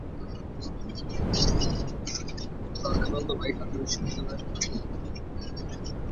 তার খালাতো ভাই ঢাকা বিশ্ববিদ্যালয়ে পড়ে।